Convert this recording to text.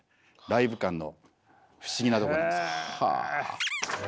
ライブ感の不思議なとこなんですよ。